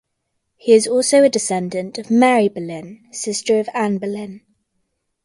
He is also a descendant of Mary Boleyn, sister of Anne Boleyn.